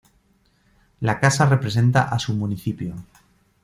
La casa representa a su municipio.